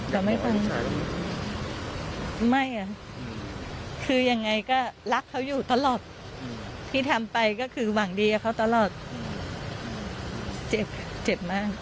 เราไม่ฟังไม่อ่ะคือยังไงก็รักเขาอยู่ตลอดที่ทำไปก็คือหวังดีกับเขาตลอดเจ็บเจ็บมาก